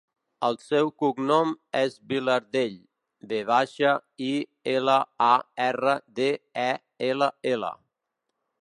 El seu cognom és Vilardell: ve baixa, i, ela, a, erra, de, e, ela, ela.